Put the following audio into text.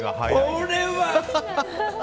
これは。